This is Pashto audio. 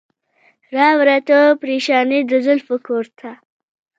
راوړه تا پریشاني د زلفو کور ته.